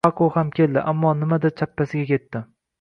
Pako ham keldi, ammo nimadir chappasiga ketdi.